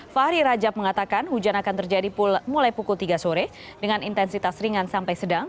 fahri rajab mengatakan hujan akan terjadi mulai pukul tiga sore dengan intensitas ringan sampai sedang